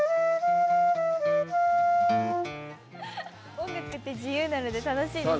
音楽って自由なので楽しいですね。